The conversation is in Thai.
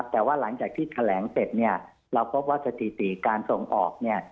แต่ว่าหลังจากที่แถลงเสร็จเราก็พบว่าสถิติการส่งออก